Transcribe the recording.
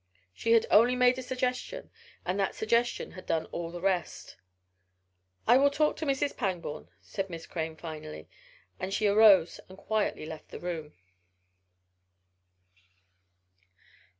She had only made a suggestion and that suggestion had done all the rest. "I will talk to Mrs. Pangborn," said Miss Crane finally, and she arose and quietly left the room.